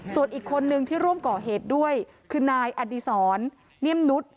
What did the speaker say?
ส่วนอีกคนนึงที่ร่วมก่อเหตุด้วยคือนายอดีศรเนียมนุษย์